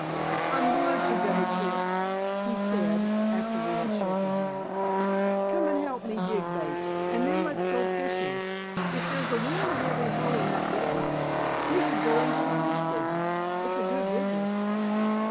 "I'm blue today, Kit," he said, after we had shaken hands. "Come and help me dig bait, and then let's go fishing. If there's a worm in every hole in that bedpost, we could go into the fish business. It's a good business."